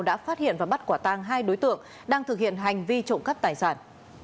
đã phát hiện và bắt quả tang hai đối tượng đang thực hiện hành vi trộm cắp tài sản